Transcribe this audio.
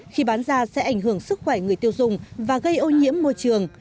khi bán ra sẽ ảnh hưởng sức khỏe người tiêu dùng và gây ô nhiễm môi trường